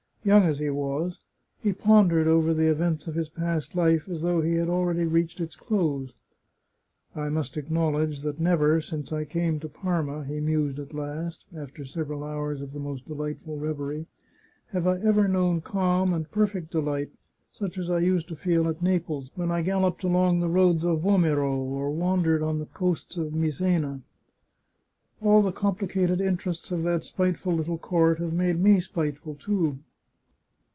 Young as he was, he pondered over the events of his past life as though he had already reached its close. " I must acknowledge that never, since I came to Parma," he mused at last, after sev eral hours of the most delightful reverie, " have I known calm and perfect delight such as I used to feel at Naples, when I galloped along the roads of Vomero, or wandered on the coasts of Misena. " All the complicated interests of that spiteful little court have made me spiteful, too.